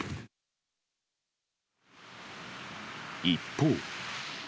一方。